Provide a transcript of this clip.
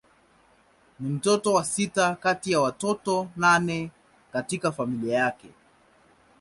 Ni mtoto wa sita kati ya watoto nane katika familia yake.